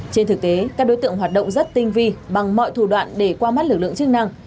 trên thực tế các đối tượng hoạt động rất tinh vi bằng mọi thủ đoạn để qua mắt lực lượng chức năng